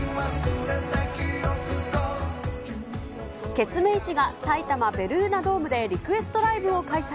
ケツメイシが埼玉・ベルーナドームでリクエストライブを開催。